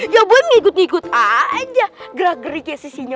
yang buat ngikut ngikut aja gerak geriknya si sinyo